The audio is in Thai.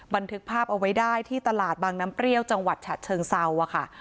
บันทึกภาพเอาไว้ได้ที่ตลาดบางน้ำเปรี้ยวจังหวัดฉะเชิงเซาอะค่ะ